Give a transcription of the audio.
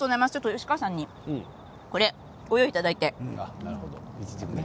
吉川さんにこれをご用意いただいて。